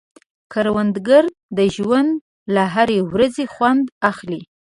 کروندګر د ژوند له هرې ورځې خوند اخلي